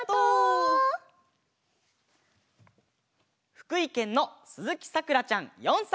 ふくいけんのすずきさくらちゃん４さいから。